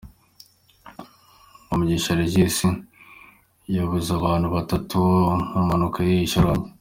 Kamugisha Regis yabuze abantu batatu mu mpanuka y'i Shyorongi.